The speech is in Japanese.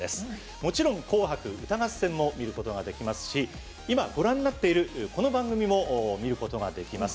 もちろん「紅白歌合戦」も見ることができますし今ご覧になっているこの番組も見られます。